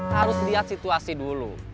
harus lihat situasi dulu